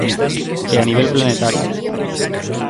E a nivel planetario.